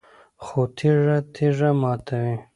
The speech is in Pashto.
خو تیږه تیږه ماتوي